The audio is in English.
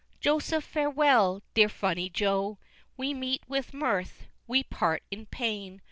XX. Joseph, farewell! dear funny Joe! We met with mirth, we part in pain!